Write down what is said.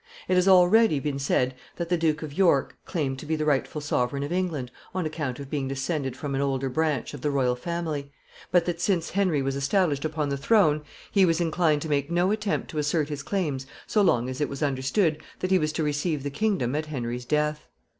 It has already been said that the Duke of York claimed to be the rightful sovereign of England on account of being descended from an older branch of the royal family; but that, since Henry was established upon the throne, he was inclined to make no attempt to assert his claims so long as it was understood that he was to receive the kingdom at Henry's death.